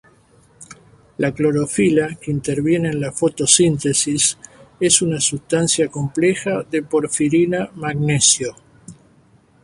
La clorofila, que interviene en la fotosíntesis, es una sustancia compleja de porfirina-magnesio.